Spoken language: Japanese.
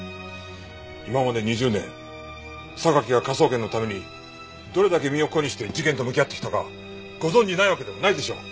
今まで２０年榊が科捜研のためにどれだけ身を粉にして事件と向き合ってきたかご存じないわけではないでしょう？